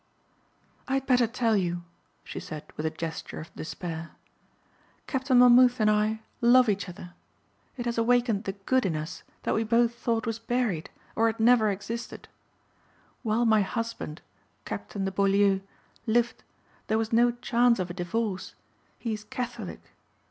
"I had better tell you," she said with a gesture of despair. "Captain Monmouth and I love each other. It has awakened the good in us that we both thought was buried or had never existed. While my husband, Captain de Beaulieu, lived there was no chance of a divorce. He is Catholic.